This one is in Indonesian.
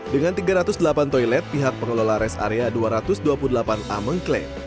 dengan tiga ratus delapan toilet pihak pengelola res area dua ratus dua puluh delapan a mengklaim